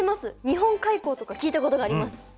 日本海溝とか聞いたことがあります。